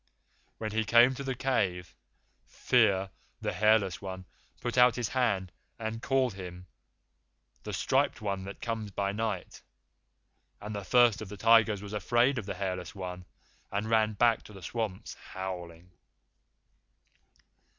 When he came to the cave, Fear, the Hairless One, put out his hand and called him 'The Striped One that comes by night,' and the First of the Tigers was afraid of the Hairless One, and ran back to the swamps howling."